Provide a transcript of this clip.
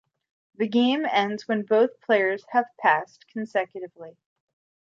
The game ends when both players have passed consecutively.